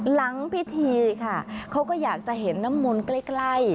หลังพิธีค่ะเขาก็อยากจะเห็นน้ำมนต์ใกล้